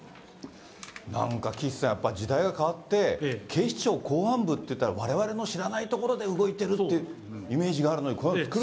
なんか岸さん、やっぱり時代が変わって、警視庁公安部っていったら、われわれの知らないところで動いてるってイメージがあるのに、作るんですね。